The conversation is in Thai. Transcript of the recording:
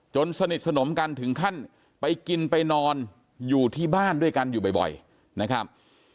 สนิทสนมกันถึงขั้นไปกินไปนอนอยู่ที่บ้านด้วยกันอยู่บ่อยนะครับ